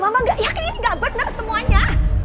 mama gak yakin ini gak bener semuanya